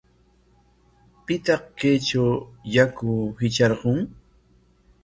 ¿Pitaq kaytraw yaku hitrarqun?